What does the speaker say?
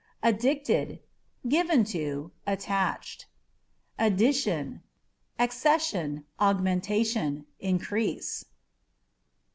Addicted â€" given to, attached. Addition â€" accession, augmentation, increase.